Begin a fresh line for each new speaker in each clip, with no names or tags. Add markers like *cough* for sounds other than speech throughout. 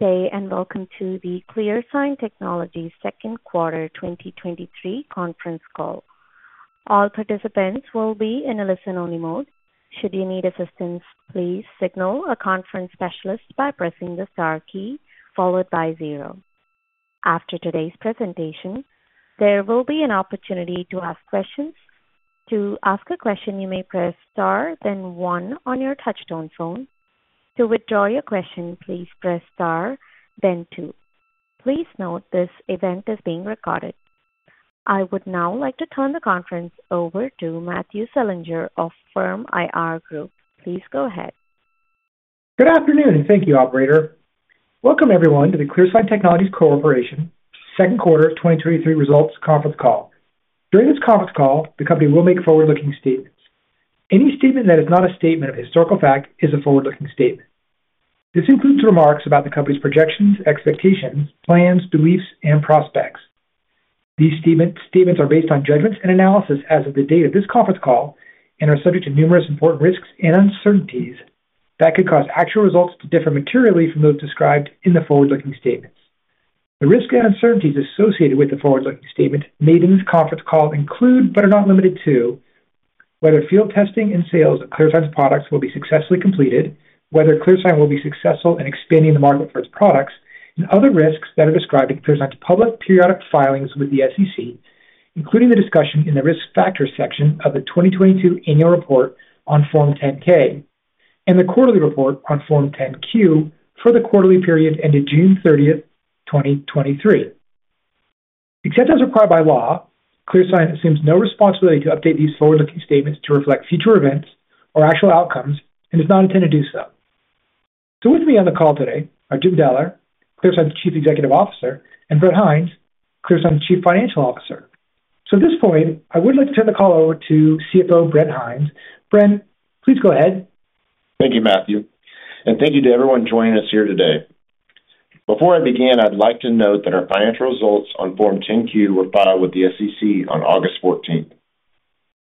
Good day, and welcome to the ClearSign Technologies Second Quarter 2023 Conference Call. All participants will be in a listen-only mode. Should you need assistance, please signal a conference specialist by pressing the star key followed by zero. After today's presentation, there will be an opportunity to ask questions. To ask a question, you may press star, then one on your touchtone phone. To withdraw your question, please press star, then two. Please note this event is being recorded. I would now like to turn the conference over to Matthew Selinger of Firm IR Group. Please go ahead.
Good afternoon, and thank you, operator. Welcome everyone to the ClearSign Technologies Corporation Second Quarter of 2023 results conference call. During this conference call, the company will make forward-looking statements. Any statement that is not a statement of historical fact is a forward-looking statement. This includes remarks about the company's projections, expectations, plans, beliefs, and prospects. These statements are based on judgments and analysis as of the date of this conference call and are subject to numerous important risks and uncertainties that could cause actual results to differ materially from those described in the forward-looking statements. The risks and uncertainties associated with the forward-looking statements made in this conference call include, but are not limited to, whether field testing and sales of ClearSign's products will be successfully completed, whether ClearSign will be successful in expanding the market for its products, and other risks that are described in ClearSign's public periodic filings with the SEC, including the discussion in the Risk Factors section of the 2022 annual report on Form 10-K and the quarterly report on Form 10-Q for the quarterly period ended 06/30/2023. Except as required by law, ClearSign assumes no responsibility to update these forward-looking statements to reflect future events or actual outcomes and does not intend to do so. So with me on the call today are Jim Deller, ClearSign's Chief Executive Officer, and Brent Hinds, ClearSign's Chief Financial Officer. At this point, I would like to turn the call over to CFO, Brent Hinds. Brent, please go ahead.
Thank you, Matthew, and thank you to everyone joining us here today. Before I begin, I'd like to note that our financial results on Form 10-Q were filed with the SEC on August 14.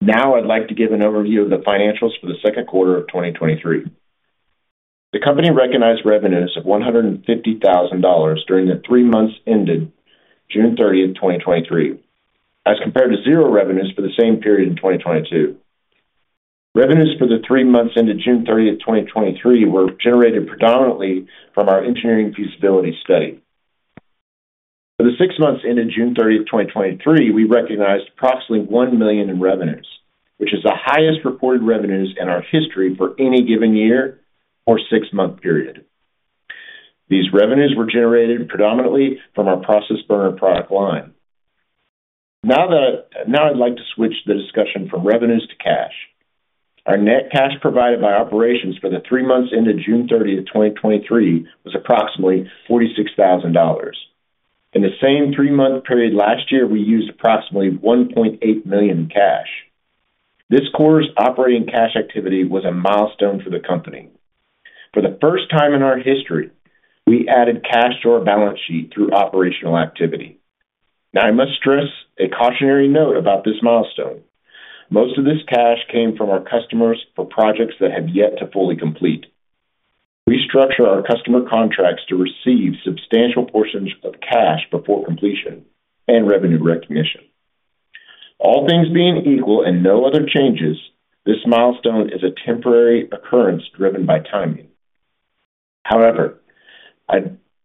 Now I'd like to give an overview of the financials for the second quarter of 2023. The company recognized revenues of $150,000 during the three months ended 06/30/2023, as compared to 0 revenues for the same period in 2022. Revenues for the three months ended 06/30/2023, were generated predominantly from our engineering feasibility study. For the six months ended 06/30/2023, we recognized approximately $1 million in revenues, which is the highest reported revenues in our history for any given year or six-month period. These revenues were generated predominantly from our process burner product line. Now I'd like to switch the discussion from revenues to cash. Our net cash provided by operations for the three months ended 06/30/2023, was approximately $46,000. In the same three-month period last year, we used approximately $1.8 million in cash. This quarter's operating cash activity was a milestone for the company. For the first time in our history, we added cash to our balance sheet through operational activity. Now, I must stress a cautionary note about this milestone. Most of this cash came from our customers for projects that have yet to fully complete. We structure our customer contracts to receive substantial portions of cash before completion and revenue recognition. All things being equal and no other changes, this milestone is a temporary occurrence driven by timing. However, I,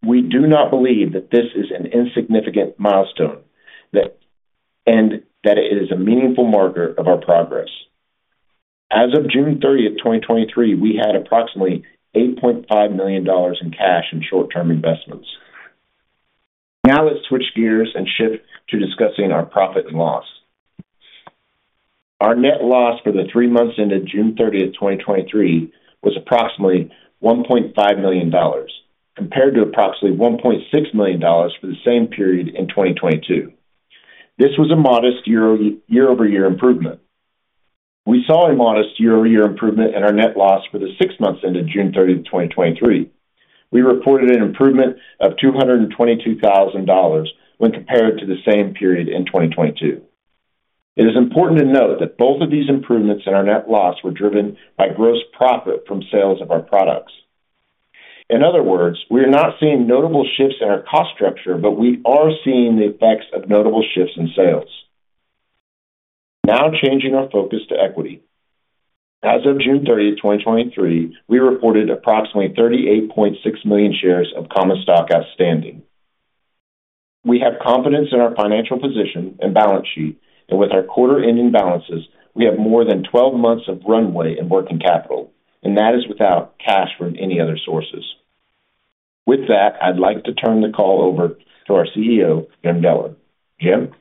we do not believe that this is an insignificant milestone, that, and that it is a meaningful marker of our progress. As of 06/30/2023, we had approximately $8.5 million in cash and short-term investments. Now let's switch gears and shift to discussing our profit and loss. Our net loss for the three months ended 06/30/2023, was approximately $1.5 million, compared to approximately $1.6 million for the same period in 2022. This was a modest year-over-year improvement. We saw a modest year-over-year improvement in our net loss for the six months ended 06/30/2023. We reported an improvement of $222,000 when compared to the same period in 2022. It is important to note that both of these improvements in our net loss were driven by gross profit from sales of our products. In other words, we are not seeing notable shifts in our cost structure, but we are seeing the effects of notable shifts in sales. Now, changing our focus to equity. As of 06/30/2023, we reported approximately 38.6 million shares of common stock outstanding. We have confidence in our financial position and balance sheet, and with our quarter-ending balances, we have more than 12 months of runway and working capital, and that is without cash from any other sources. With that, I'd like to turn the call over to our CEO, Jim Deller. Jim?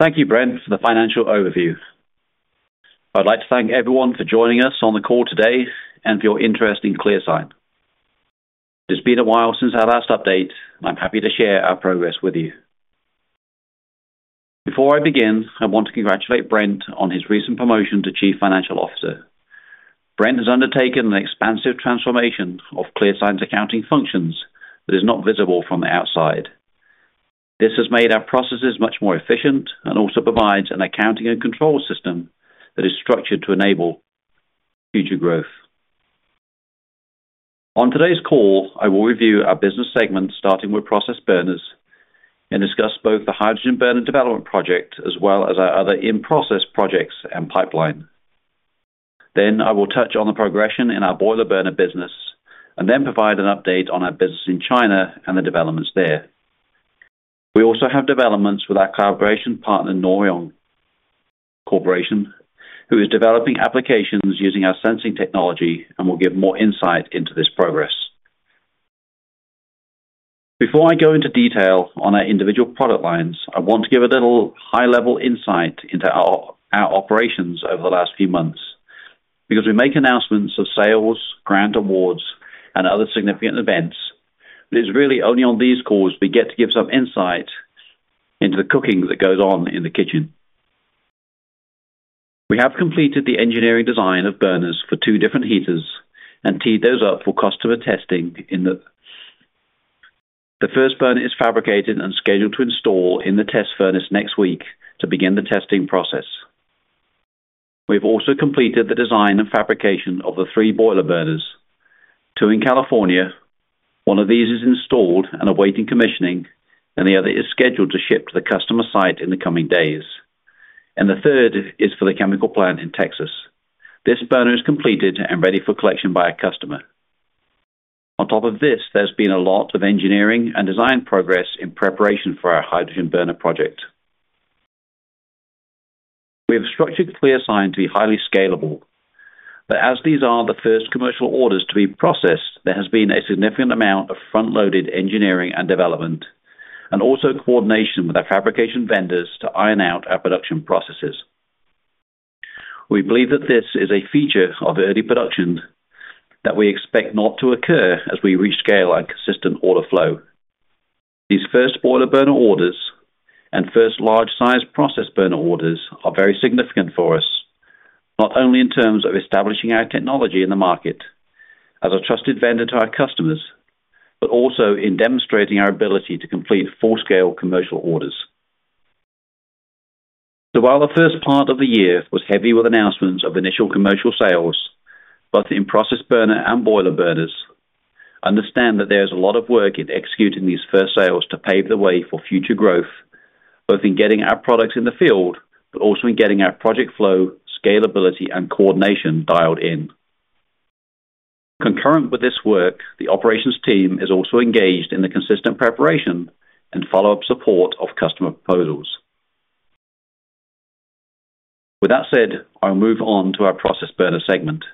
Thank you, Brent, for the financial overview. I'd like to thank everyone for joining us on the call today and for your interest in ClearSign. It's been a while since our last update, and I'm happy to share our progress with you. Before I begin, I want to congratulate Brent on his recent promotion to Chief Financial Officer. Brent has undertaken an expansive transformation of ClearSign's accounting functions that is not visible from the outside. This has made our processes much more efficient and also provides an accounting and control system that is structured to enable future growth. On today's call, I will review our business segments, starting with process burners, and discuss both the hydrogen burner development project as well as our other in-process projects and pipeline. Then I will touch on the progression in our boiler burner business, and then provide an update on our business in China and the developments there. We also have developments with our collaboration partner, Narion Corporation, who is developing applications using our sensing technology, and we'll give more insight into this progress. Before I go into detail on our individual product lines, I want to give a little high-level insight into our operations over the last few months, because we make announcements of sales, grant awards, and other significant events, but it's really only on these calls we get to give some insight into the cooking that goes on in the kitchen. We have completed the engineering design of burners for two different heaters and teed those up for customer testing in the. The first burner is fabricated and scheduled to install in the test furnace next week to begin the testing process. We've also completed the design and fabrication of the three boiler burners, two in California. One of these is installed and awaiting commissioning, and the other is scheduled to ship to the customer site in the coming days. And the third is for the chemical plant in Texas. This burner is completed and ready for collection by our customer. On top of this, there's been a lot of engineering and design progress in preparation for our hydrogen burner project. We have structured the design to be highly scalable, but as these are the first commercial orders to be processed, there has been a significant amount of front-loaded engineering and development, and also coordination with our fabrication vendors to iron out our production processes. We believe that this is a feature of early production that we expect not to occur as we reach scale and consistent order flow. These first boiler burner orders and first large-size process burner orders are very significant for us, not only in terms of establishing our technology in the market as a trusted vendor to our customers, but also in demonstrating our ability to complete full-scale commercial orders. So while the first part of the year was heavy with announcements of initial commercial sales, both in process burner and boiler burners, understand that there is a lot of work in executing these first sales to pave the way for future growth, both in getting our products in the field, but also in getting our project flow, scalability, and coordination dialed in. Concurrent with this work, the operations team is also engaged in the consistent preparation and follow-up support of customer proposals. With that said, I'll move on to our process burner segment.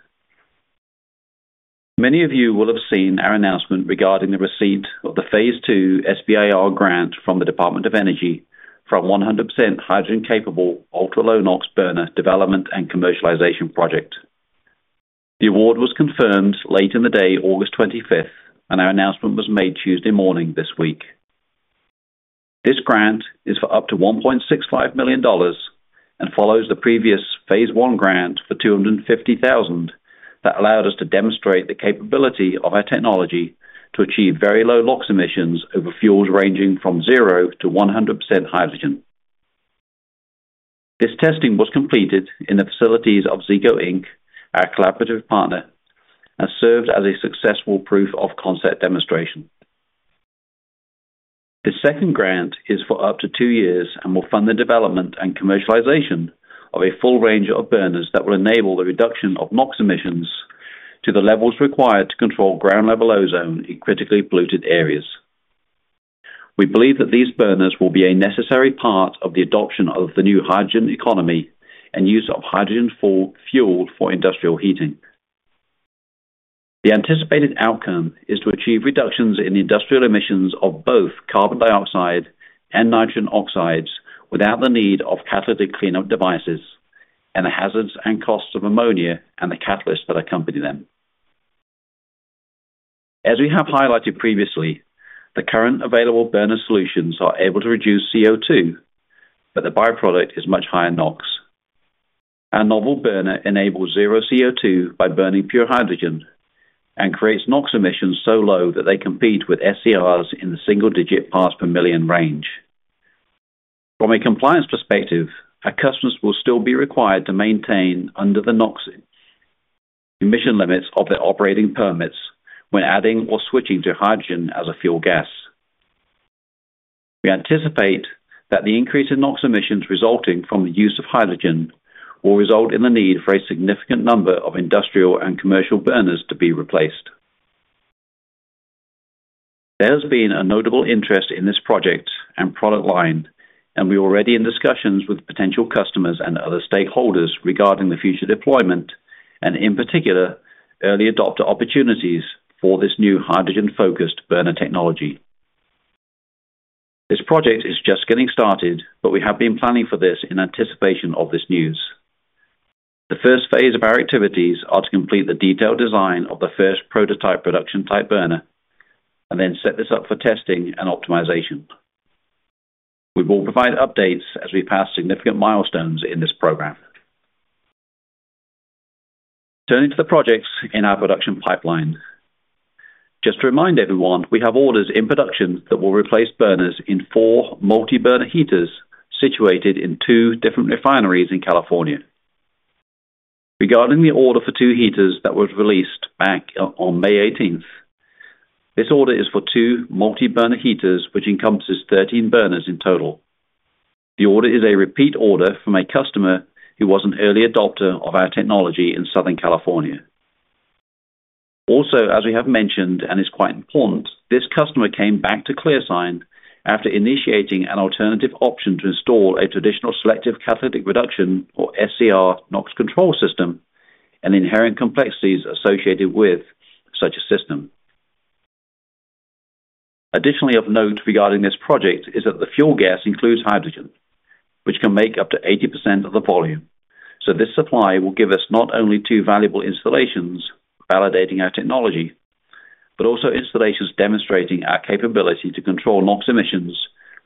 Many of you will have seen our announcement regarding the receipt of the phase II SBIR grant from the Department of Energy for a 100% hydrogen-capable, ultra low NOx burner development and commercialization project. The award was confirmed late in the day, August 25, and our announcement was made Tuesday morning this week. This grant is for up to $1.65 million and follows the previous phase I grant for $250,000, that allowed us to demonstrate the capability of our technology to achieve very low NOx emissions over fuels ranging from 0%-100% hydrogen. This testing was completed in the facilities of Zeeco, Inc., our collaborative partner, and served as a successful proof-of-concept demonstration. This second grant is for up to 2 years and will fund the development and commercialization of a full range of burners that will enable the reduction of NOx emissions to the levels required to control ground-level ozone in critically polluted areas. We believe that these burners will be a necessary part of the adoption of the new hydrogen economy and use of hydrogen for fuel for industrial heating. The anticipated outcome is to achieve reductions in the industrial emissions of both carbon dioxide and nitrogen oxides without the need of catalytic cleanup devices and the hazards and costs of ammonia and the catalysts that accompany them. As we have highlighted previously, the current available burner solutions are able to reduce CO2, but the by-product is much higher in NOx. Our novel burner enables zero CO2 by burning pure hydrogen and creates NOx emissions so low that they compete with SCRs in the single-digit parts per million range. From a compliance perspective, our customers will still be required to maintain under the NOx emission limits of their operating permits when adding or switching to hydrogen as a fuel gas. We anticipate that the increase in NOx emissions resulting from the use of hydrogen will result in the need for a significant number of industrial and commercial burners to be replaced. There has been a notable interest in this project and product line, and we are already in discussions with potential customers and other stakeholders regarding the future deployment and, in particular, early adopter opportunities for this new hydrogen-focused burner technology. This project is just getting started, but we have been planning for this in anticipation of this news. The first phase of our activities are to complete the detailed design of the first prototype production-type burner and then set this up for testing and optimization. We will provide updates as we pass significant milestones in this program.... Turning to the projects in our production pipeline. Just to remind everyone, we have orders in production that will replace burners in four multi-burner heaters situated in two different refineries in California. Regarding the order for two heaters that was released back on May 18th, this order is for two multi-burner heaters, which encompasses 13 burners in total. The order is a repeat order from a customer who was an early adopter of our technology in Southern California. Also, as we have mentioned, and it's quite important, this customer came back to ClearSign after initiating an alternative option to install a traditional selective catalytic reduction, or SCR, NOx control system, and the inherent complexities associated with such a system. Additionally, of note regarding this project is that the fuel gas includes hydrogen, which can make up to 80% of the volume. This supply will give us not only two valuable installations validating our technology, but also installations demonstrating our capability to control NOx emissions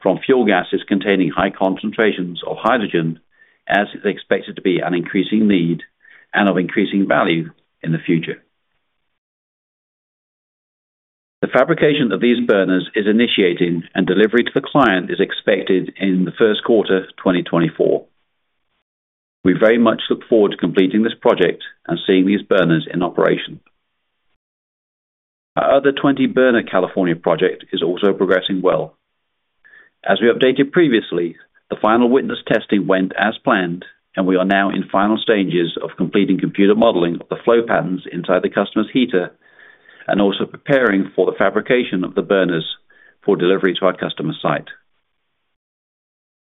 from fuel gases containing high concentrations of hydrogen, as is expected to be an increasing need and of increasing value in the future. The fabrication of these burners is initiating, and delivery to the client is expected in the first quarter 2024. We very much look forward to completing this project and seeing these burners in operation. Our other 20-burner California project is also progressing well. As we updated previously, the final witness testing went as planned, and we are now in final stages of completing computer modeling of the flow patterns inside the customer's heater, and also preparing for the fabrication of the burners for delivery to our customer site.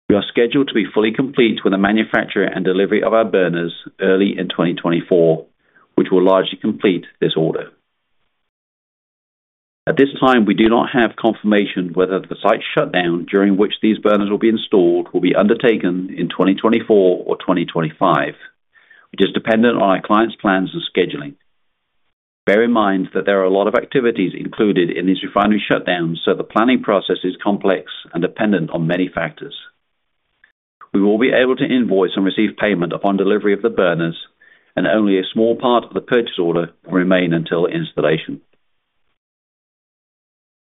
We are scheduled to be fully complete with the manufacture and delivery of our burners early in 2024, which will largely complete this order. At this time, we do not have confirmation whether the site shutdown, during which these burners will be installed, will be undertaken in 2024 or 2025, which is dependent on our client's plans and scheduling. Bear in mind that there are a lot of activities included in these refinery shutdowns, so the planning process is complex and dependent on many factors. We will be able to invoice and receive payment upon delivery of the burners, and only a small part of the purchase order will remain until installation.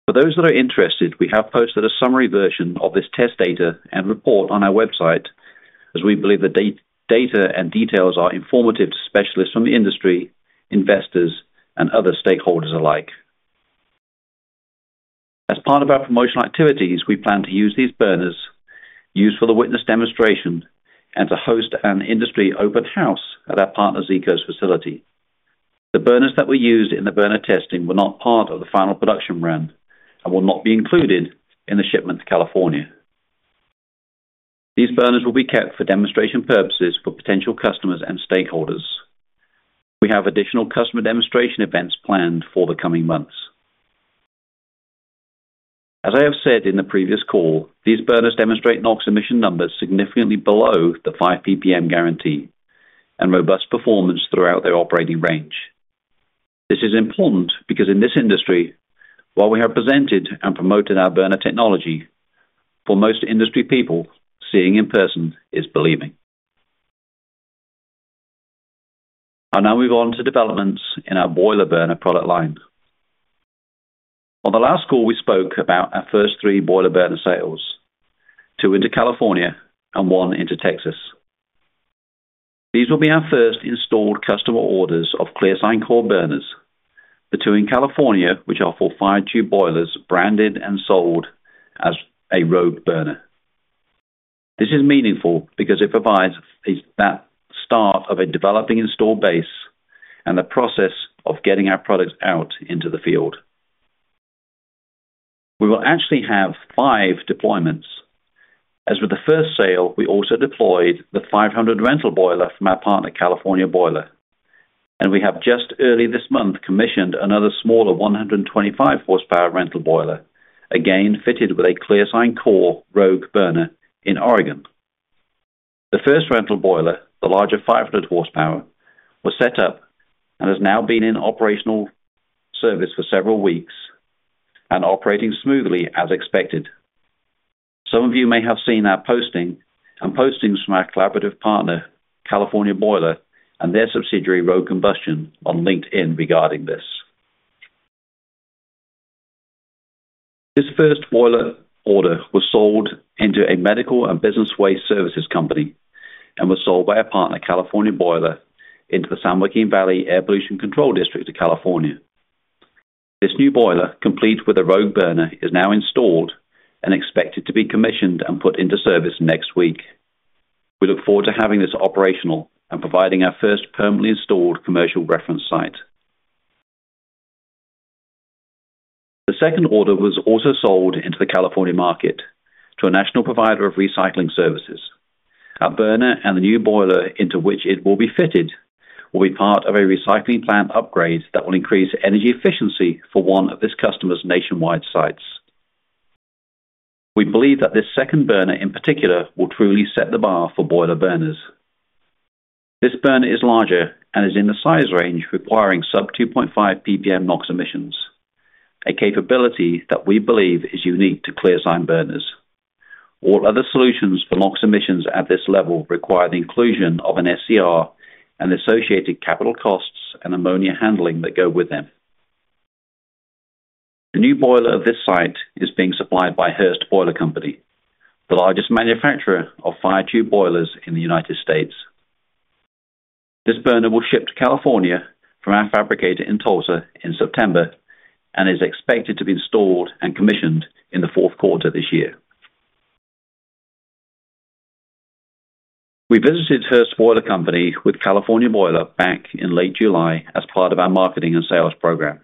For those that are interested, we have posted a summary version of this test data and report on our website, as we believe the data and details are informative to specialists from the industry, investors, and other stakeholders alike. As part of our promotional activities, we plan to use these burners used for the witness demonstration and to host an industry open house at our partner, Zeeco's facility. The burners that were used in the burner testing were not part of the final production run and will not be included in the shipment to California. These burners will be kept for demonstration purposes for potential customers and stakeholders. We have additional customer demonstration events planned for the coming months. As I have said in the previous call, these burners demonstrate NOx emission numbers significantly below the 5 PPM guarantee and robust performance throughout their operating range. This is important because in this industry, while we have presented and promoted our burner technology, for most industry people, seeing in person is believing. I'll now move on to developments in our boiler burner product line. On the last call, we spoke about our first three boiler burner sales, two into California and one into Texas. These will be our first installed customer orders of ClearSign Core burners, the two in California, which are for fire tube boilers, branded and sold as a Rogue Burner. This is meaningful because it provides that start of a developing installed base and the process of getting our products out into the field. We will actually have five deployments. As with the first sale, we also deployed the 500 rental boiler from our partner, California Boiler, and we have just early this month, commissioned another smaller 125-horsepower rental boiler, again, fitted with a ClearSign Core Rogue Burner in Oregon. The first rental boiler, the larger 500-horsepower, was set up and has now been in operational service for several weeks and operating smoothly as expected. Some of you may have seen our posting and postings from our collaborative partner, California Boiler, and their subsidiary, Rogue Combustion, on LinkedIn regarding this. This first boiler order was sold into a medical and business waste services company and was sold by our partner, California Boiler, into the San Joaquin Valley Air Pollution Control District of California. This new boiler, complete with a Rogue Burner, is now installed and expected to be commissioned and put into service next week. We look forward to having this operational and providing our first permanently installed commercial reference site. The second order was also sold into the California market to a national provider of recycling services. Our burner and the new boiler into which it will be fitted, will be part of a recycling plant upgrade that will increase energy efficiency for one of this customer's nationwide sites. We believe that this second burner, in particular, will truly set the bar for boiler burners. This burner is larger and is in the size range requiring sub-2.5 PPM NOx emissions. A capability that we believe is unique to ClearSign burners. All other solutions for NOx emissions at this level require the inclusion of an SCR and associated capital costs and ammonia handling that go with them. The new boiler of this site is being supplied by Hurst Boiler Company, the largest manufacturer of fire tube boilers in the United States. This burner will ship to California from our fabricator in Tulsa in September, and is expected to be installed and commissioned in the fourth quarter this year. We visited Hurst Boiler Company with California Boiler back in late July as part of our marketing and sales program.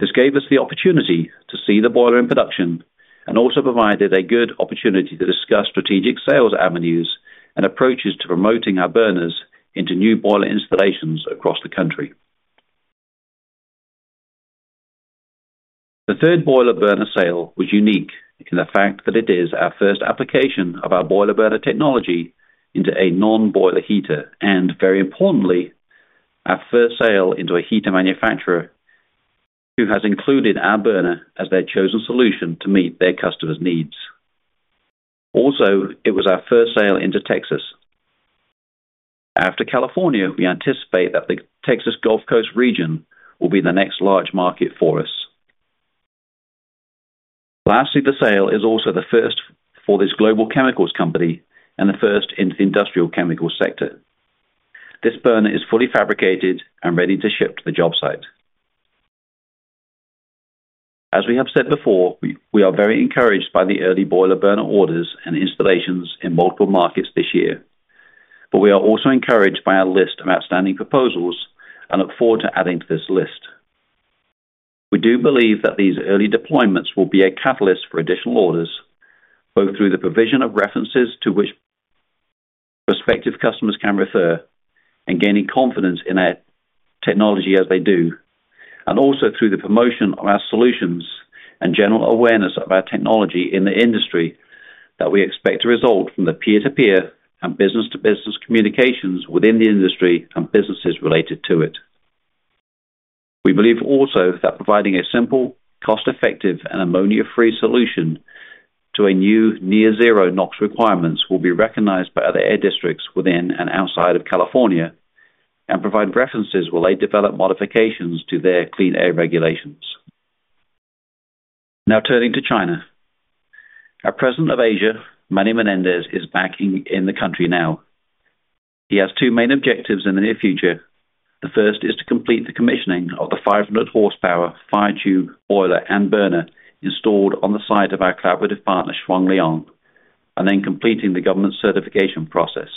This gave us the opportunity to see the boiler in production and also provided a good opportunity to discuss strategic sales avenues and approaches to promoting our burners into new boiler installations across the country. The third boiler burner sale was unique in the fact that it is our first application of our boiler burner technology into a non-boiler heater, and very importantly, our first sale into a heater manufacturer who has included our burner as their chosen solution to meet their customer's needs. Also, it was our first sale into Texas. After California, we anticipate that the Texas Gulf Coast region will be the next large market for us. Lastly, the sale is also the first for this global chemicals company and the first in the industrial chemical sector. This burner is fully fabricated and ready to ship to the job site. As we have said before, we are very encouraged by the early boiler burner orders and installations in multiple markets this year, but we are also encouraged by our list of outstanding proposals and look forward to adding to this list. We do believe that these early deployments will be a catalyst for additional orders, both through the provision of references to which prospective customers can refer, and gaining confidence in our technology as they do, and also through the promotion of our solutions and general awareness of our technology in the industry that we expect to result from the peer-to-peer and business-to-business communications within the industry and businesses related to it. We believe also that providing a simple, cost-effective, and ammonia-free solution to a new near-zero NOx requirements will be recognized by other air districts within and outside of California and provide references while they develop modifications to their clean air regulations. Now, turning to China. Our President of Asia, Manny Menendez, is back in the country now. He has two main objectives in the near future. The first is to complete the commissioning of the 500 horsepower fire tube boiler and burner installed on the site of our collaborative partner, Shuangliang, and then completing the government certification process.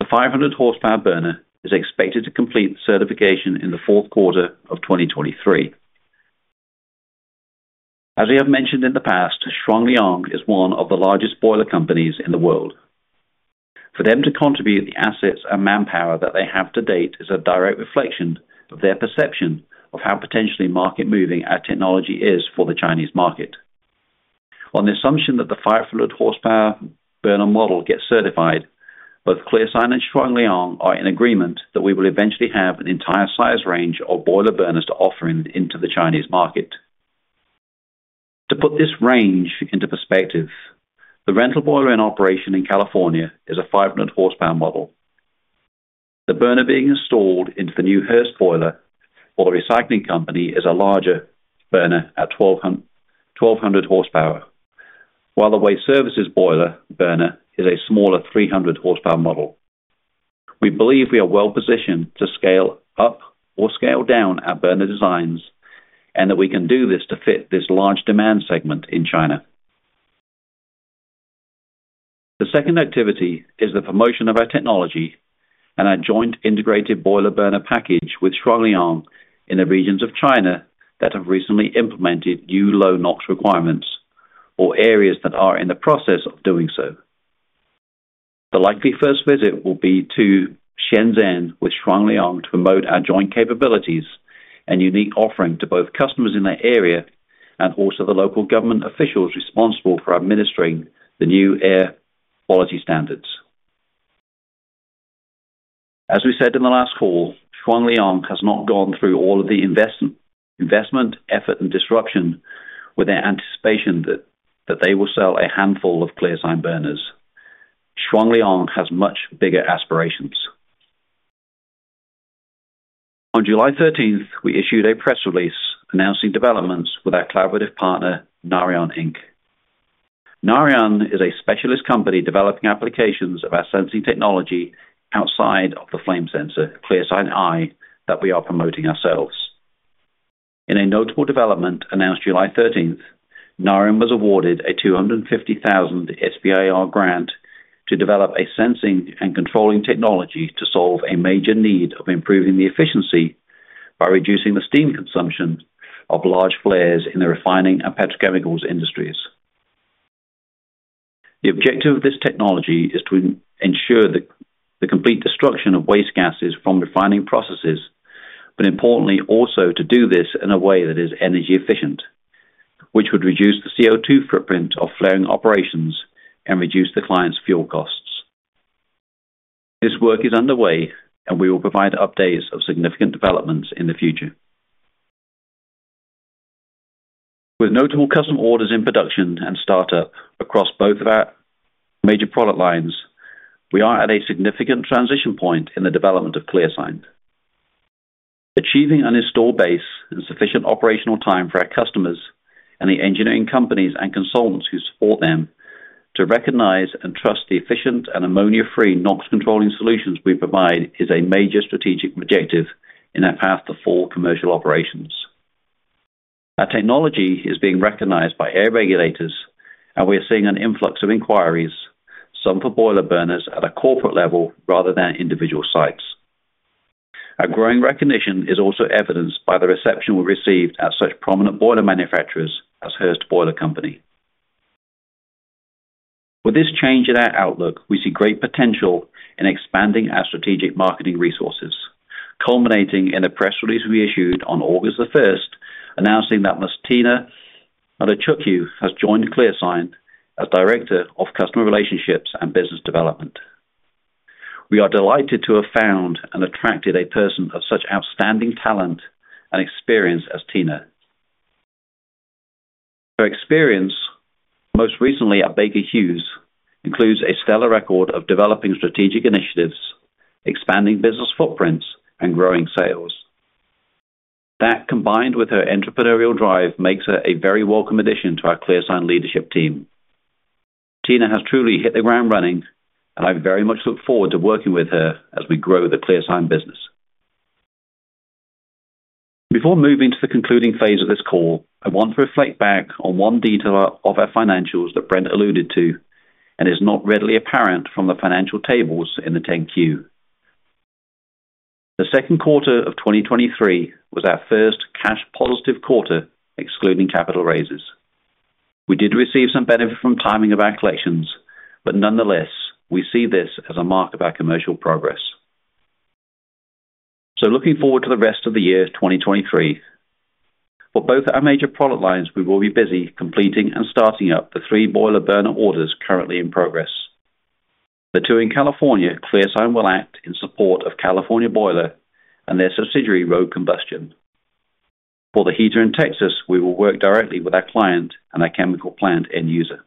The 500 horsepower burner is expected to complete the certification in the fourth quarter of 2023. As we have mentioned in the past, Shuangliang is one of the largest boiler companies in the world. For them to contribute the assets and manpower that they have to date is a direct reflection of their perception of how potentially market-moving our technology is for the Chinese market. On the assumption that the 500 horsepower burner model gets certified, both ClearSign and Shuangliang are in agreement that we will eventually have an entire size range of boiler burners to offer into the Chinese market. To put this range into perspective, the rental boiler in operation in California is a 500 horsepower model. The burner being installed into the new Hurst boiler for the recycling company is a larger burner at 1,200 horsepower, while the waste services boiler burner is a smaller 300 horsepower model. We believe we are well-positioned to scale up or scale down our burner designs, and that we can do this to fit this large demand segment in China. The second activity is the promotion of our technology and our joint integrated boiler burner package with Shuangliang in the regions of China that have recently implemented new low NOx requirements, or areas that are in the process of doing so. The likely first visit will be to Shenzhen, with Shuangliang to promote our joint capabilities and unique offering to both customers in that area and also the local government officials responsible for administering the new air quality standards. As we said in the last call, Shuangliang has not gone through all of the investment, effort, and disruption with their anticipation that they will sell a handful of ClearSign burners. Shuangliang has much bigger aspirations. On July thirteenth, we issued a press release announcing developments with our collaborative partner, Narion Corp. Narion is a specialist company developing applications of our sensing technology outside of the flame sensor, ClearSign Eye, that we are promoting ourselves. In a notable development announced July 13th, Narion was awarded a $250,000 SBIR grant to develop a sensing and controlling technology to solve a major need of improving the efficiency by reducing the steam consumption of large flares in the refining and petrochemicals industries. The objective of this technology is to ensure the complete destruction of waste gases from refining processes, but importantly, also to do this in a way that is energy efficient, which would reduce the CO₂ footprint of flaring operations and reduce the client's fuel costs.... This work is underway, and we will provide updates of significant developments in the future. With notable custom orders in production and startup across both of our major product lines, we are at a significant transition point in the development of ClearSign. Achieving an install base and sufficient operational time for our customers and the engineering companies and consultants who support them to recognize and trust the efficient and ammonia-free NOx controlling solutions we provide, is a major strategic objective in our path to full commercial operations. Our technology is being recognized by air regulators, and we are seeing an influx of inquiries, some for boiler burners at a corporate level rather than individual sites. Our growing recognition is also evidenced by the reception we received at such prominent boiler manufacturers as Hurst Boiler. With this change in our outlook, we see great potential in expanding our strategic marketing resources, culminating in a press release we issued on August the first, announcing that Ms. Tina Unachukwu has joined ClearSign as Director of Customer Relationships and Business Development. We are delighted to have found and attracted a person of such outstanding talent and experience as Tina. Her experience, most recently at Baker Hughes, includes a stellar record of developing strategic initiatives, expanding business footprints, and growing sales. That, combined with her entrepreneurial drive, makes her a very welcome addition to our ClearSign leadership team. Tina has truly hit the ground running, and I very much look forward to working with her as we grow the ClearSign business. Before moving to the concluding phase of this call, I want to reflect back on one detail of our financials that Brent alluded to and is not readily apparent from the financial tables in the 10-Q. The second quarter of 2023 was our first cash positive quarter, excluding capital raises. We did receive some benefit from timing of our collections, but nonetheless, we see this as a mark of our commercial progress. So looking forward to the rest of the year 2023, for both our major product lines, we will be busy completing and starting up the three boiler burner orders currently in progress. The two in California, ClearSign will act in support of California Boiler and their subsidiary, Rogue Combustion. For the heater in Texas, we will work directly with our client and our chemical plant end user.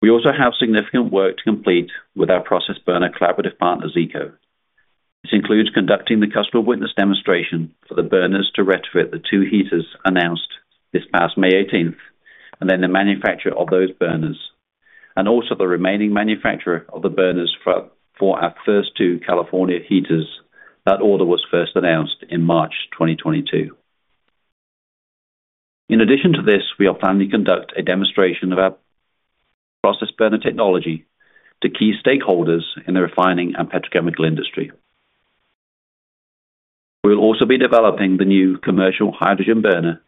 We also have significant work to complete with our process burner collaborative partner, Zeeco. This includes conducting the customer witness demonstration for the burners to retrofit the two heaters announced this past May 18, and then the manufacture of those burners, and also the remaining manufacturer of the burners for our first two California heaters. That order was first announced in March 2022. In addition to this, we will finally conduct a demonstration of our process burner technology to key stakeholders in the refining and petrochemical industry. We will also be developing the new commercial hydrogen burner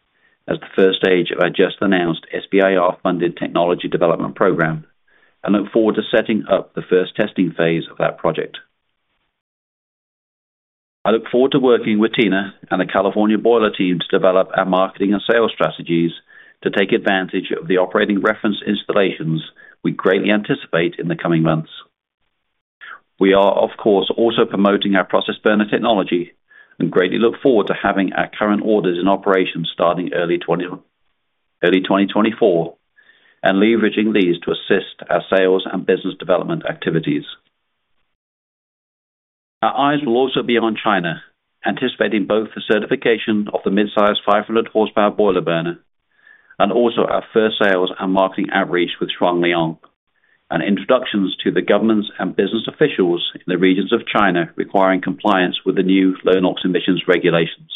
as the first stage of our just announced SBIR-funded technology development program and look forward to setting up the first testing phase of that project. I look forward to working with Tina and the California Boiler team to develop our marketing and sales strategies to take advantage of the operating reference installations we greatly anticipate in the coming months. We are, of course, also promoting our process burner technology and greatly look forward to having our current orders in operation starting early 2024, and leveraging these to assist our sales and business development activities. Our eyes will also be on China, anticipating both the certification of the mid-size 500 horsepower boiler burner and also our first sales and marketing outreach with Shuangliang, and introductions to the governments and business officials in the regions of China, requiring compliance with the new low NOx emissions regulations.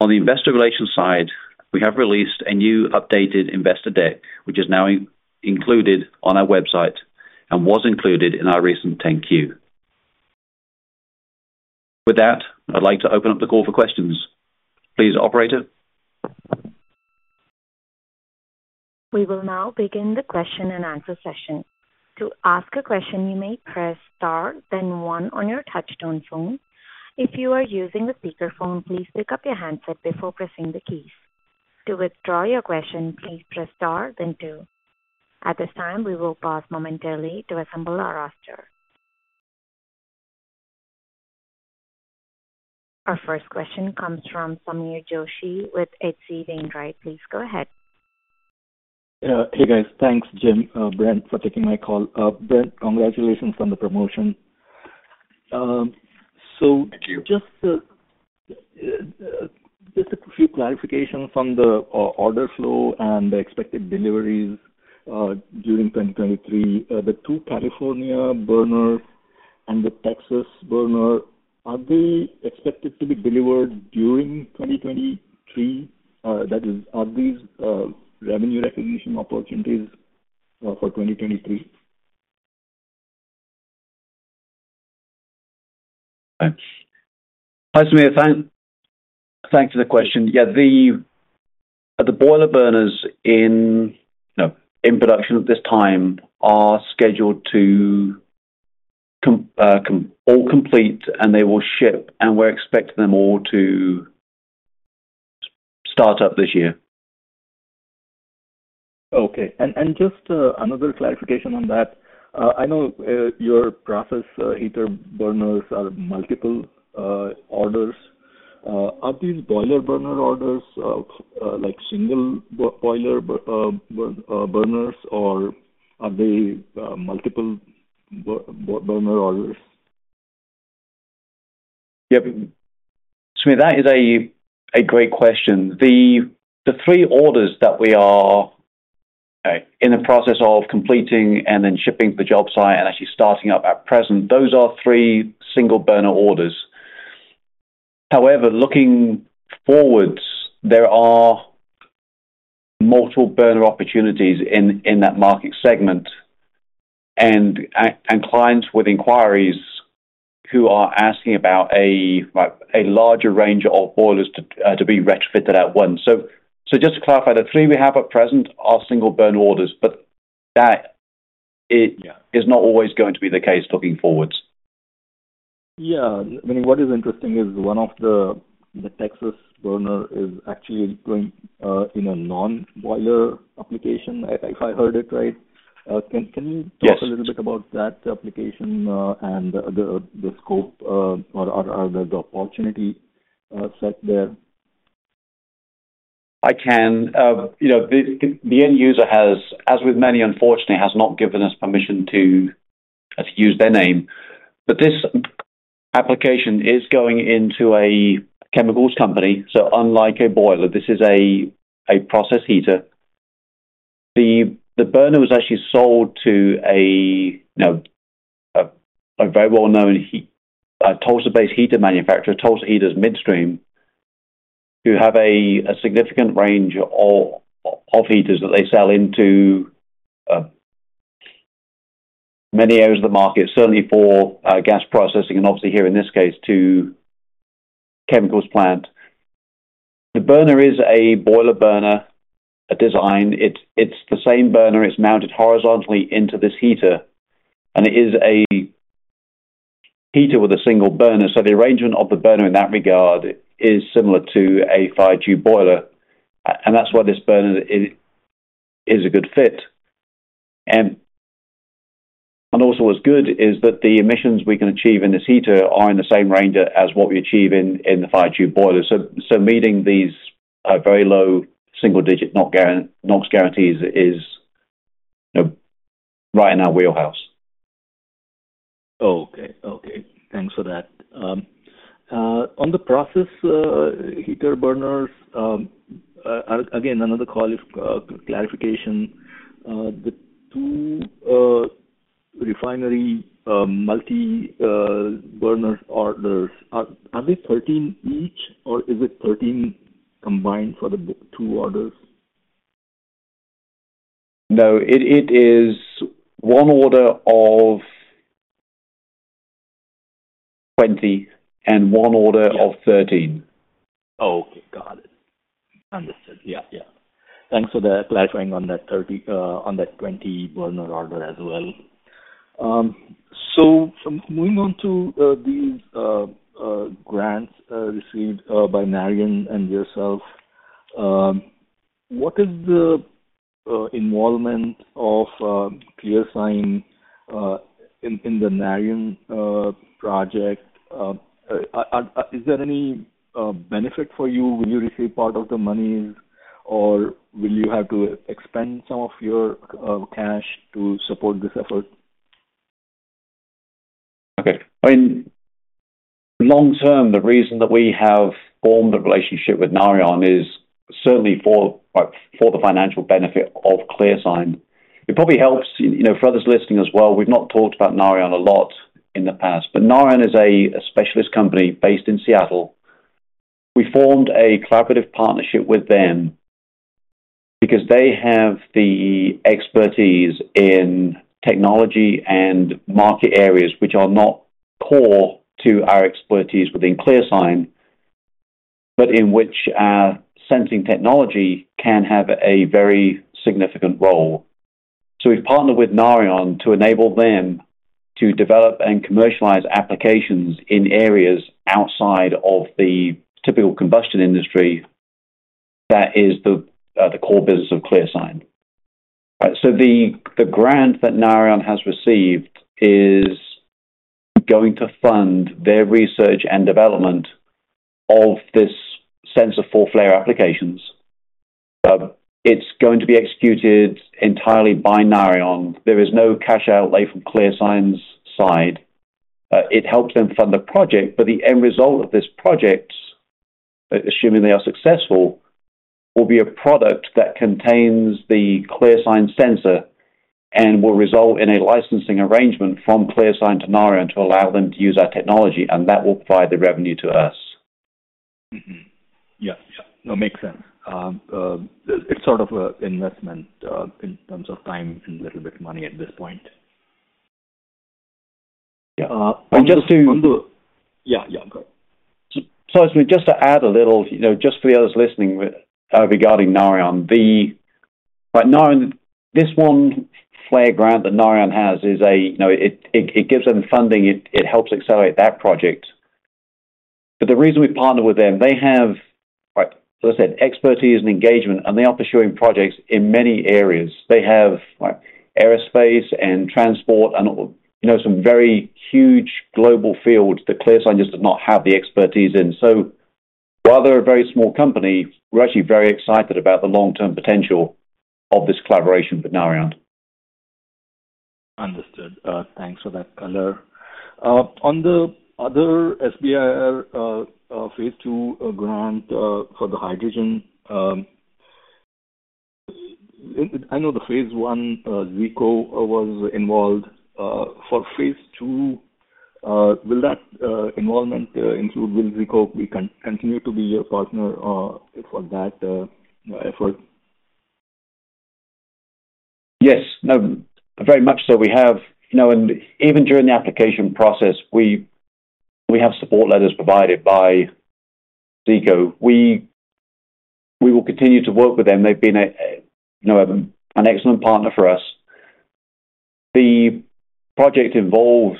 On the investor relations side, we have released a new updated investor deck, which is now included on our website and was included in our recent 10-Q. With that, I'd like to open up the call for questions. Please, operator?
We will now begin the question and answer session. To ask a question, you may press star, then one on your touchtone phone. If you are using the speakerphone, please pick up your handset before pressing the keys. To withdraw your question, please press star, then two. At this time, we will pause momentarily to assemble our roster. Our first question comes from Sameer Joshi with HC Wainwright. Please go ahead.
Hey, guys. Thanks, Jim, Brent, for taking my call. Brent, congratulations on the promotion. So-
Thank you.
Just, just a few clarifications on the order flow and the expected deliveries during 2023. The two California burners and the Texas burner, are they expected to be delivered during 2023? That is, are these revenue recognition opportunities for 2023?
Hi, Sameer. Thanks, thanks for the question. Yeah, the boiler burners in, you know, in production at this time are scheduled to come all complete, and they will ship, and we're expecting them all to start up this year.
Okay. And just another clarification on that. I know your process heater burners are multiple orders. Are these boiler burner orders like single boiler burners, or are they multiple burner orders?
Yep. So that is a great question. The three orders that we are in the process of completing and then shipping to the job site and actually starting up at present, those are three single burner orders. However, looking forwards, there are multiple burner opportunities in that market segment, and clients with inquiries who are asking about a like a larger range of boilers to be retrofitted at once. So just to clarify, the three we have at present are single burner orders, but that is-
Yeah.
is not always going to be the case looking forward.
Yeah. I mean, what is interesting is one of the Texas burner is actually going in a non-boiler application, if I heard it right. Can you-
Yes.
talk a little bit about that application, and the scope, or the opportunity set there?
I can. You know, the end user has, as with many, unfortunately, has not given us permission to use their name. But this application is going into a chemicals company. So unlike a boiler, this is a process heater. The burner was actually sold to a, you know, a very well-known heater, a Tulsa-based heater manufacturer, Tulsa Heaters Midstream, who have a significant range of heaters that they sell into many areas of the market, certainly for gas processing, and obviously here in this case, to chemicals plant. The burner is a boiler burner, a design. It's the same burner. It's mounted horizontally into this heater, and it is a heater with a single burner. So the arrangement of the burner in that regard is similar to a fire tube boiler, and that's why this burner is a good fit. And also what's good is that the emissions we can achieve in this heater are in the same range as what we achieve in the fire tube boiler. So meeting these very low single digit NOx guarantees is, you know, right in our wheelhouse.
Okay. Okay, thanks for that. On the process heater burners, again, another call clarification. The two refinery multi-burner orders, are they 13 each, or is it 13 combined for the two orders?
No, it is one order of 20 and one order-
Yeah...
of 13.
Okay, got it. Understood. Yeah, yeah. Thanks for the clarifying on that 30, on that 20 burner order as well. So moving on to these grants received by Narion and yourself. What is the involvement of ClearSign in the Narion project? Is there any benefit for you? Will you receive part of the money, or will you have to expend some of your cash to support this effort?
Okay. I mean, long term, the reason that we have formed a relationship with Narion is certainly for the financial benefit of ClearSign. It probably helps, you know, for others listening as well, we've not talked about Narion a lot in the past, but Narion is a specialist company based in Seattle. We formed a collaborative partnership with them because they have the expertise in technology and market areas, which are not core to our expertise within ClearSign, but in which our sensing technology can have a very significant role. So we've partnered with Narion to enable them to develop and commercialize applications in areas outside of the typical combustion industry that is the core business of ClearSign. So the grant that Narion has received is going to fund their research and development of this sensor for flare applications. It's going to be executed entirely by Narion. There is no cash outlay from ClearSign's side. It helps them fund the project, but the end result of this project, assuming they are successful, will be a product that contains the ClearSign sensor and will result in a licensing arrangement from ClearSign to Narion to allow them to use our technology, and that will provide the revenue to us.
Mm-hmm. Yeah, yeah. No, makes sense. It's sort of a investment in terms of time and little bit money at this point.
Yeah. And just to-
Yeah, yeah. Go ahead.
So just to add a little, you know, just for the others listening with, regarding Narion. But no, this one flare grant that Narion has is a, you know, it, it, it gives them funding. It, it helps accelerate that project. But the reason we partner with them, they have, right, so I said, expertise and engagement, and they are pursuing projects in many areas. They have, like, aerospace and transport and, you know, some very huge global fields that ClearSign just does not have the expertise in. So while they're a very small company, we're actually very excited about the long-term potential of this collaboration with Narion.
Understood. Thanks for that color. On the other SBIR phase II grant for the hydrogen, I know the phase one, Zeeco was involved. For phase II, will that involvement include, will Zeeco be continue to be your partner for that effort?
Yes. No, very much so. We have, you know, and even during the application process, we have support letters provided by Zeeco. We will continue to work with them. They've been a, you know, an excellent partner for us. The project involves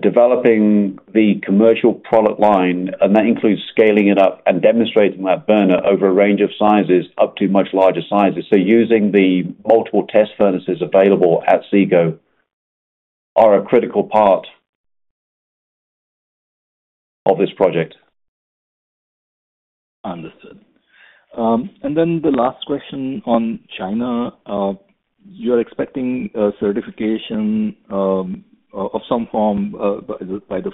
developing the commercial product line, and that includes scaling it up and demonstrating that burner over a range of sizes, up to much larger sizes. So using the multiple test furnaces available at Zeeco are a critical part of this project.
Understood. Then the last question on China. You're expecting a certification of some form by the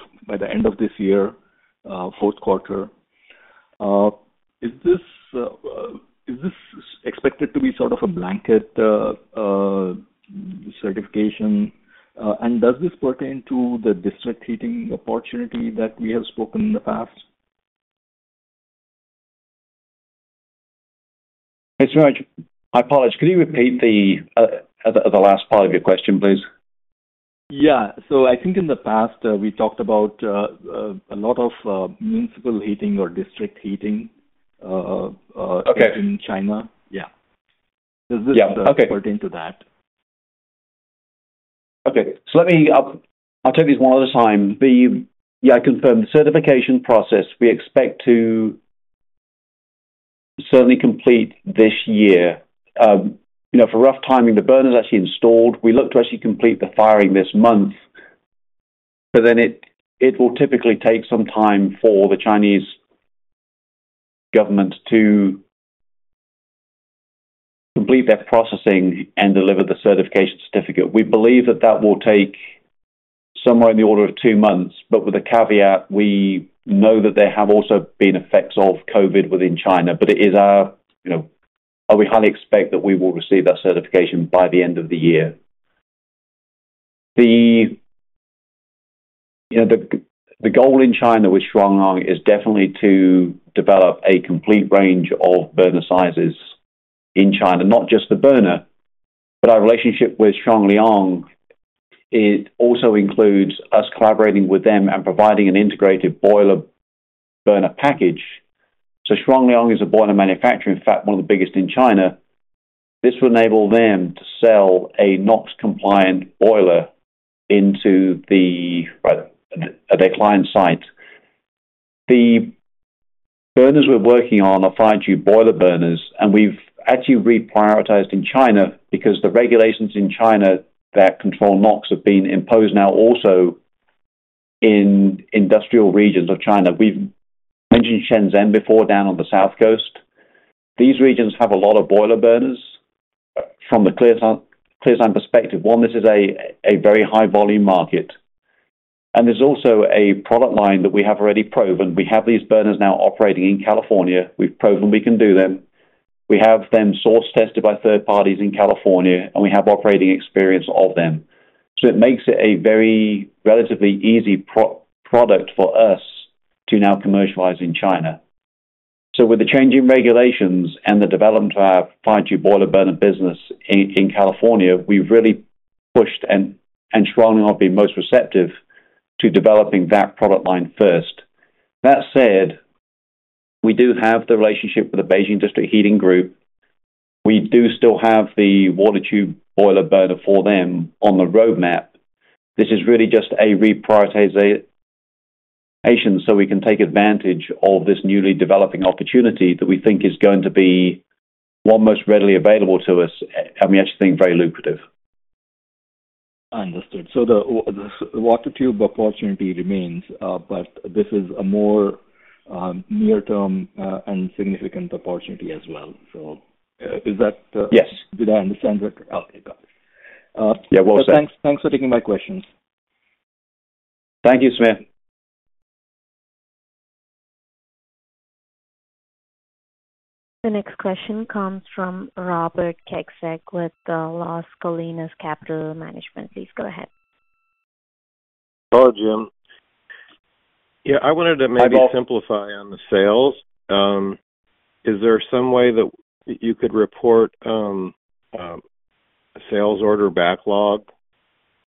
end of this year, fourth quarter. Is this expected to be sort of a blanket certification? Does this pertain to the district heating opportunity that we have spoken in the past?
Thanks very much. I apologize. Could you repeat the last part of your question, please?
Yeah. So I think in the past, we talked about a lot of municipal heating or district heating,
Okay.
in China. Yeah.
Yeah. Okay.
Does this pertain to that?
Okay. So let me, I'll take these one at a time. Yeah, I confirm the certification process, we expect to certainly complete this year. You know, for rough timing, the burner is actually installed. We look to actually complete the firing this month, but then it will typically take some time for the Chinese government to complete their processing and deliver the certification certificate. We believe that will take somewhere in the order of 2 months, but with a caveat, we know that there have also been effects of COVID within China, but it is our, you know, we highly expect that we will receive that certification by the end of the year. You know, the goal in China with Shuangliang is definitely to develop a complete range of burner sizes in China, not just the burner, but our relationship with Shuangliang, it also includes us collaborating with them and providing an integrated boiler burner package. So Shuangliang is a boiler manufacturer, in fact, one of the biggest in China. This will enable them to sell a NOx-compliant boiler into their client site. The burners we're working on are fire tube boiler burners, and we've actually reprioritized in China because the regulations in China that control NOx have been imposed now also in industrial regions of China. We've mentioned Shenzhen before, down on the south coast. These regions have a lot of boiler burners. From the ClearSign perspective, one, this is a very high-volume market, and there's also a product line that we have already proven. We have these burners now operating in California. We've proven we can do them. We have them source tested by third parties in California, and we have operating experience of them. So it makes it a very relatively easy product for us to now commercialize in China. So with the changing regulations and the development of our fire tube boiler burner business in California, we've really pushed, and Shuangliang have been most receptive to developing that product line first. That said, we do have the relationship with the Beijing District Heating Group. We do still have the water tube boiler burner for them on the roadmap. This is really just a reprioritization, so we can take advantage of this newly developing opportunity that we think is going to be what most readily available to us, and we actually think very lucrative.
Understood. So the water tube opportunity remains, but this is a more near-term and significant opportunity as well. So, is that,
Yes.
Did I understand that? Okay, got it.
Yeah, well said.
Thanks, thanks for taking my questions.
Thank you, Samir.
The next question comes from Robert Kecseg with the Las Colinas Capital Management. Please go ahead.
Hello, Jim. Yeah, I wanted to maybe-
Hi, Bob.
Simplify on the sales. Is there some way that you could report sales order backlog?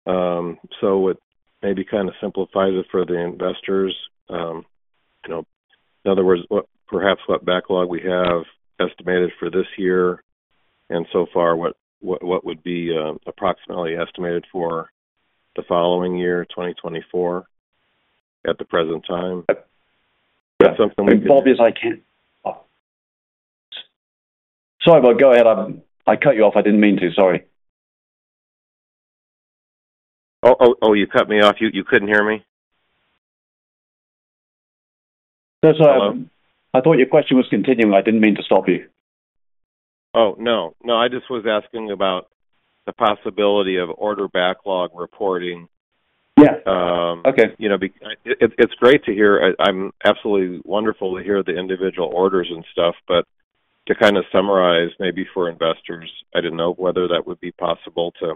So it maybe kind of simplifies it for the investors. You know, in other words, perhaps what backlog we have estimated for this year, and so far, what would be approximately estimated for the following year, 2024, at the present time?
Is that something we can-Sorry, Bob, go ahead. I cut you off. I didn't mean to. Sorry.
Oh, oh, oh, you cut me off. You, you couldn't hear me?
That's all right.
Hello?
I thought your question was continuing. I didn't mean to stop you.
Oh, no. No, I just was asking about the possibility of order backlog reporting.
Yeah. Okay.
You know, it's great to hear. I'm absolutely wonderful to hear the individual orders and stuff, but to kind of summarize, maybe for investors, I didn't know whether that would be possible to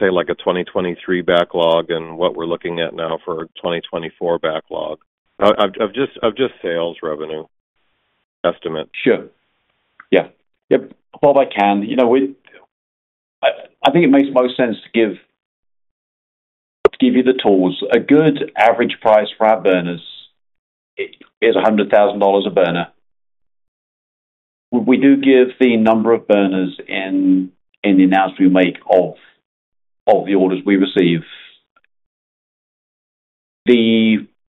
say, like a 2023 backlog and what we're looking at now for a 2024 backlog of just sales revenue estimate.
Sure. Yeah. Yep. Well, I can. You know, we, I, I think it makes most sense to give, to give you the tools. A good average price for our burners is $100,000 a burner. We do give the number of burners in, in the announcement we make of, of the orders we receive.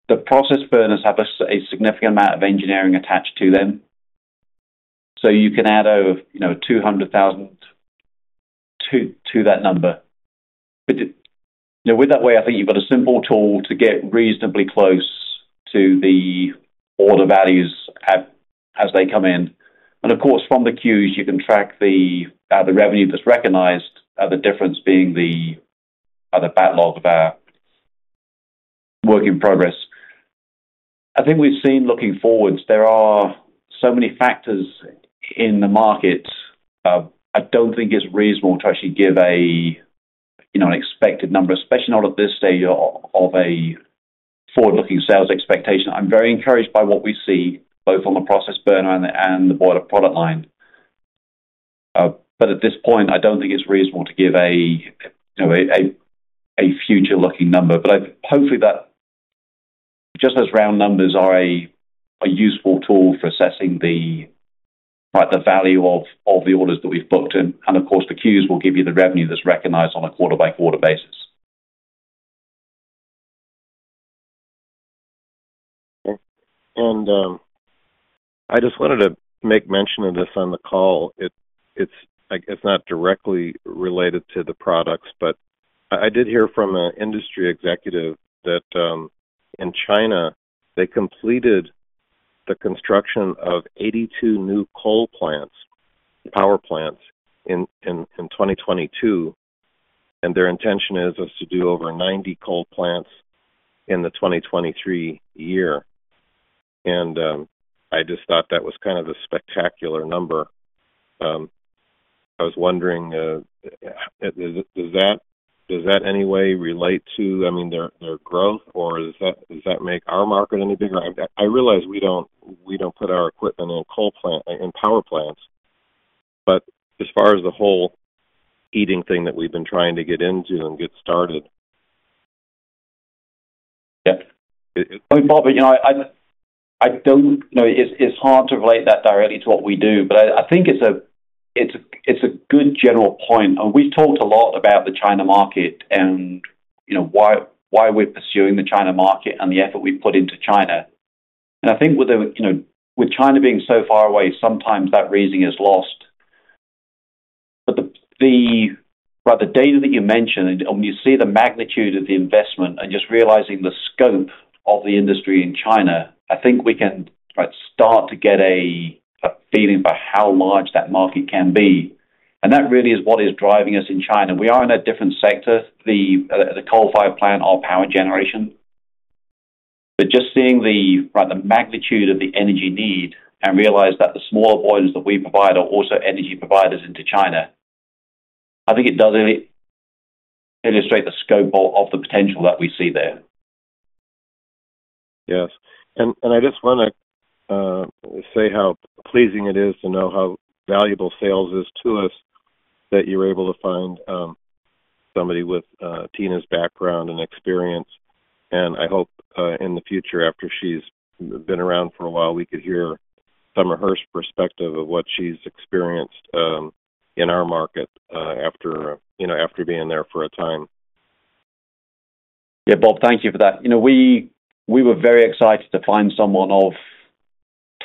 The process burners have a significant amount of engineering attached to them, so you can add over, you know, $200,000 to, to that number. But it, you know, with that way, I think you've got a simple tool to get reasonably close to the order values as, as they come in. And of course, from the 10-Qs, you can track the revenue that's recognized, the difference being the backlog of our work in progress. I think we've seen looking forwards, there are so many factors in the market, I don't think it's reasonable to actually give a, you know, an expected number, especially not at this stage of a forward-looking sales expectation. I'm very encouraged by what we see, both on the Process Burner and the boiler product line. But at this point, I don't think it's reasonable to give a, you know, a future-looking number. But I've hopefully that just those round numbers are a useful tool for assessing the, like, the value of the orders that we've booked, and of course, the Qs will give you the revenue that's recognized on a quarter-by-quarter basis.
I just wanted to make mention of this on the call. It's, like, not directly related to the products, but I did hear from an industry executive that in China, they completed the construction of 82 new coal plants, power plants, in 2022, and their intention is to do over 90 coal plants in the 2023 year. I just thought that was kind of a spectacular number. I was wondering, does that any way relate to, I mean, their growth, or does that make our market any bigger? I realize we don't put our equipment in coal plant, in power plants, but as far as the whole heating thing that we've been trying to get into and get started.
Yeah. Well, Bob, you know, I don't know, it's hard to relate that directly to what we do, but I think it's a good general point. And we've talked a lot about the China market and, you know, why we're pursuing the China market and the effort we've put into China. And I think with, you know, with China being so far away, sometimes that reasoning is lost. But by the data that you mentioned, and when you see the magnitude of the investment and just realizing the scope of the industry in China, I think we can start to get a feeling for how large that market can be. And that really is what is driving us in China. We are in a different sector, the coal-fired plant or power generation. But just seeing the magnitude of the energy need and realize that the smaller boilers that we provide are also energy providers into China, I think it does illustrate the scope of the potential that we see there.
Yes. And I just wanna say how pleasing it is to know how valuable sales is to us, that you're able to find somebody with Tina's background and experience. And I hope in the future, after she's been around for a while, we could hear some of her perspective of what she's experienced in our market, after you know, after being there for a time.
Yeah, Bob, thank you for that. You know, we were very excited to find someone of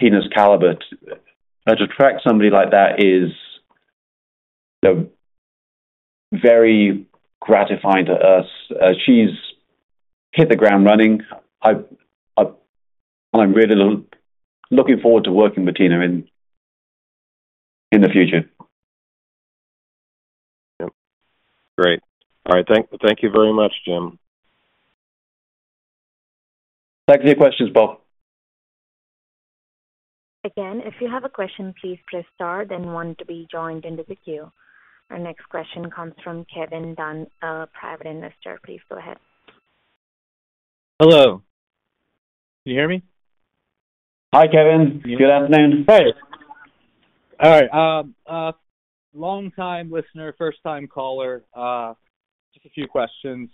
Tina's caliber. And to attract somebody like that is, you know, very gratifying to us. She's hit the ground running. I'm really looking forward to working with Tina in the future.
Yep. Great. All right. Thank you very much, Jim.
Thanks for your questions, Bob.
Again, if you have a question, please press star, then one to be joined into the queue. Our next question comes from Kevin Dunn, a private investor. Please go ahead.
Hello. Can you hear me?
Hi, Kevin. Good afternoon.
Hey. All right, long time listener, first time caller. Just a few questions.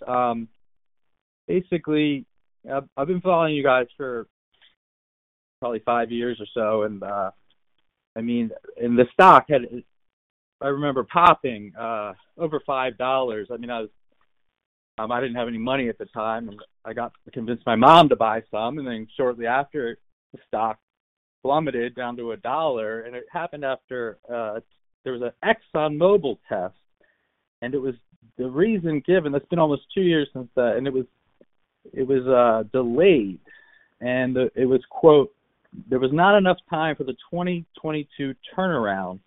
Basically, I've been following you guys for probably five years or so, and, I mean, and the stock had, I remember, popping over $5. I mean, I was, I didn't have any money at the time, and I got to convince my mom to buy some, and then shortly after, the stock plummeted down to $1. And it happened after there was an ExxonMobil test, and it was the reason given. It's been almost two years since that, and it was delayed, and it was, quote, "There was not enough time for the 2022 turnaround."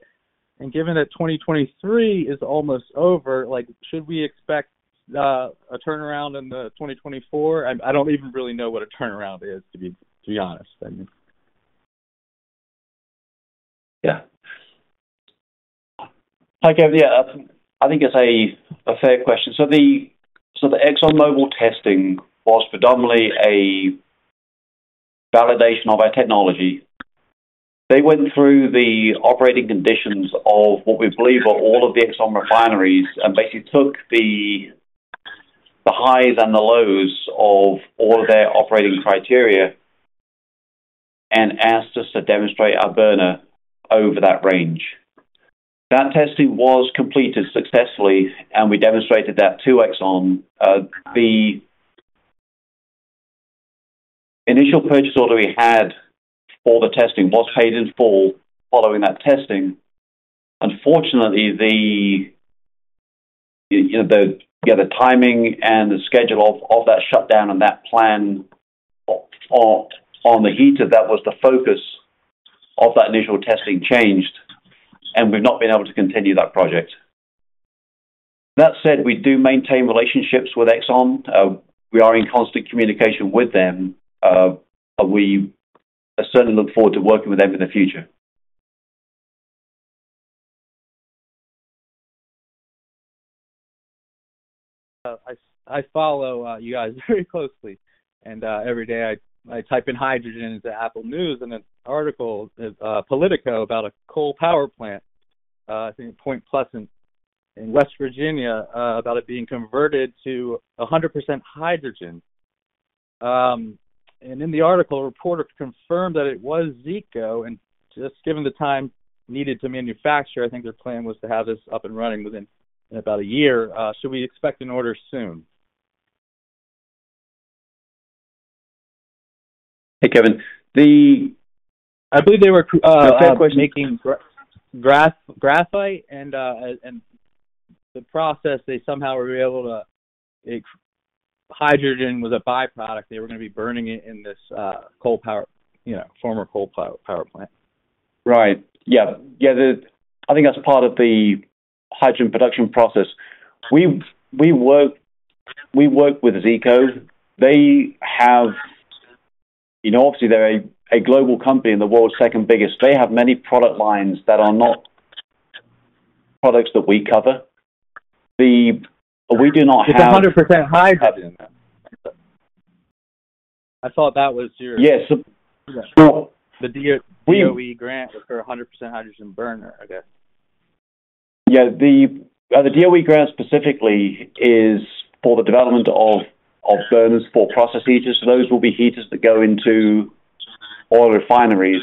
And given that 2023 is almost over, like, should we expect a turnaround in the 2024? I don't even really know what a turnaround is, to be honest, I mean.
Yeah. Hi, Kevin. Yeah, I think it's a fair question. So the ExxonMobil testing was predominantly a validation of our technology. They went through the operating conditions of what we believe are all of the Exxon refineries, and basically took the highs and the lows of all their operating criteria and asked us to demonstrate our burner over that range. That testing was completed successfully, and we demonstrated that to Exxon. The initial purchase order we had for the testing was paid in full following that testing. Unfortunately, you know, the timing and the schedule of that shutdown and that plan on the heater, that was the focus of that initial testing changed, and we've not been able to continue that project. That said, we do maintain relationships with Exxon. We are in constant communication with them. We certainly look forward to working with them in the future.
I follow you guys very closely, and every day I type in hydrogen into Apple News, and the article is Politico, about a coal power plant, I think Point Pleasant in West Virginia, about it being converted to 100% hydrogen. And in the article, a reporter confirmed that it was Zeeco, and just given the time needed to manufacture, I think their plan was to have this up and running within about a year. Should we expect an order soon?
Hey, Kevin. I believe they were
making graphite and in the process, they somehow were able to... hydrogen was a byproduct. They were gonna be burning it in this coal power, you know, former coal power plant.
Right. Yeah. Yeah, I think that's part of the hydrogen production process. We work with Zeeco. They have, you know, obviously, they're a global company and the world's second biggest. They have many product lines that are not products that we cover. We do not have *crosstalk* The DOE grant for a 100% hydrogen burner, I guess. Yeah, the DOE grant specifically is for the development of burners for process heaters. So those will be heaters that go into oil refineries.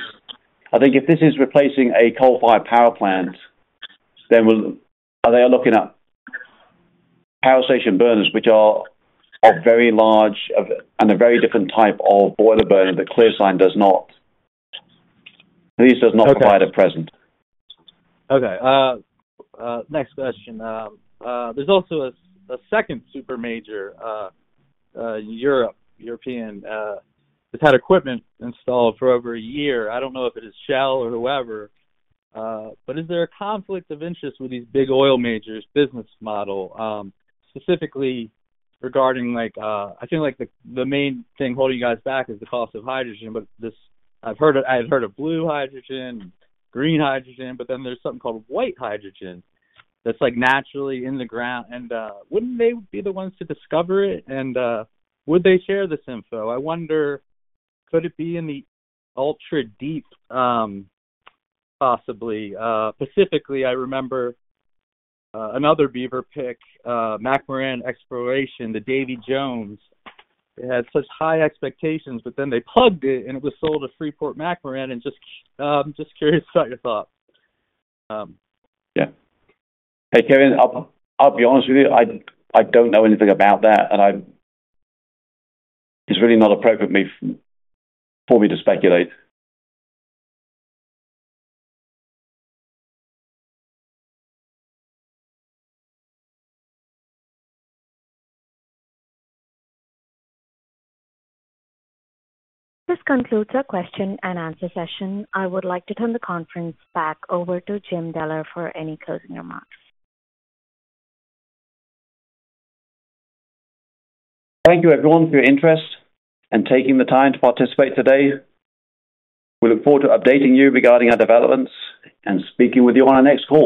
I think if this is replacing a coal-fired power plant, then we, they are looking at power station burners, which are a very large, and a very different type of boiler burner that ClearSign does not, at least does not provide at present.
Okay, next question. There's also a second supermajor, European, that had equipment installed for over a year. I don't know if it is Shell or whoever, but is there a conflict of interest with these big oil majors' business model, specifically regarding like... I feel like the main thing holding you guys back is the cost of hydrogen, but this, I've heard of blue hydrogen, green hydrogen, but then there's something called white hydrogen that's like naturally in the ground, and wouldn't they be the ones to discover it? And would they share this info? I wonder, could it be in the ultra-deep, possibly. Specifically, I remember another big pick, McMoRan Exploration, the Davy Jones. It had such high expectations, but then they plugged it, and it was sold to Freeport-McMoRan, and just curious about your thoughts.
Yeah. Hey, Kevin, I'll be honest with you, I don't know anything about that, and I... It's really not appropriate for me to speculate.
This concludes our question and answer session. I would like to turn the conference back over to Jim Deller for any closing remarks.
Thank you, everyone, for your interest and taking the time to participate today. We look forward to updating you regarding our developments and speaking with you on our next call.